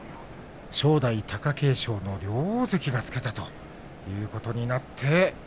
正代、貴景勝大関がつけたということになって